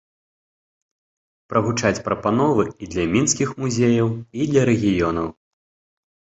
Прагучаць прапановы і для мінскіх музеяў, і для рэгіёнаў.